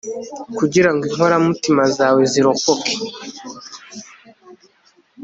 kugira ngo inkoramutima zawe zirokoke